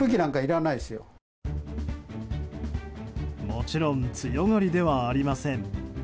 もちろん強がりではありません。